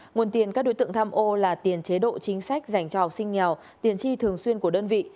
nguồn tiền các đối tượng tham ô là tiền chế độ chính sách dành cho học sinh nghèo tiền chi thường xuyên của đơn vị